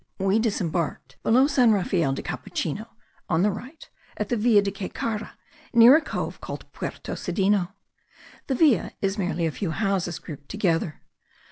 We disembarked below San Rafael del Capuchino, on the right, at the Villa de Caycara, near a cove called Puerto Sedeno. The Villa is merely a few houses grouped together.